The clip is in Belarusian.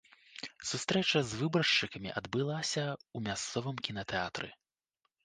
Сустрэча з выбаршчыкамі адбылася ў мясцовым кінатэатры.